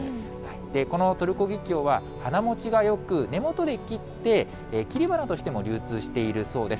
このトルコギキョウは花もちがよく、根元で切って、切り花としても流通しているそうです。